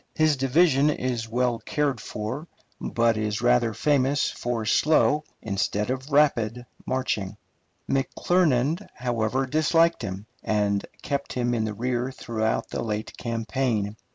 His division is well cared for, but is rather famous for slow instead of rapid marching. McClernand, however, disliked him, and kept him in the rear throughout the late campaign.